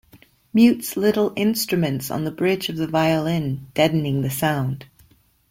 Mutes little instruments on the bridge of the violin, deadening the sound.